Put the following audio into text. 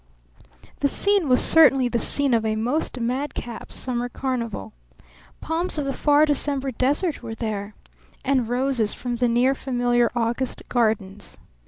The scene was certainly the scene of a most madcap summer carnival. Palms of the far December desert were there! And roses from the near, familiar August gardens!